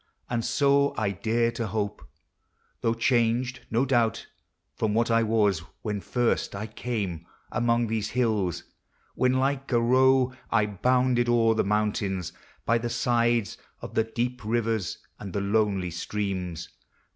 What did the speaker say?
And so I dare to hope, Though changed, no doubt, iron, what I was When first I came among these hills; when like a roe I bounded o'er the mountains, by the sides Of the dee!> rivers, and the lonely streams.